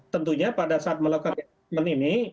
tentunya pada saat melakukan aset aset ini